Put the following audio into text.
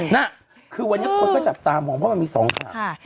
น่ะคือวันนี้คนก็จับตามองว่ามันมีสองค่ะ